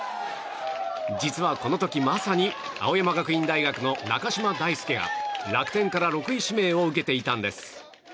実は、この時まさに青山学院大学の中島大輔が楽天から６位指名を受けていたんです。